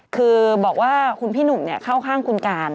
คือบอกว่าคุณพี่หนุ่มเข้าข้างคุณการ